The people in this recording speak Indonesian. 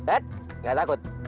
eh gak takut